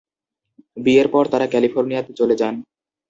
বিয়ের পর তারা ক্যালিফোর্নিয়াতে চলে যান।